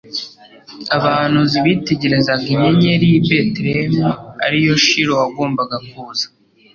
abahanuzi bitegerezaga Inyenyeri y’i Betelehemu, ariyo Shilo wagombaga kuza